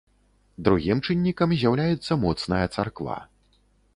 Другім чыннікам з'яўляецца моцная царква.